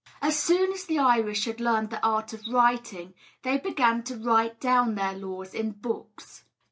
As soon as the Irish had learned the art of writing, they began to write down their laws in books.